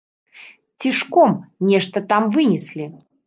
Цішком нешта там вынеслі.